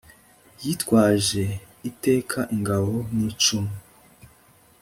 yitwaje iteka ingabo n'icumu